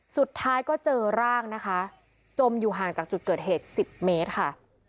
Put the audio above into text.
สุดท้ายก็เจอร่างนะคะจมอยู่ห่างจากจุดเกิดเหตุ๑๐เมตรค่ะ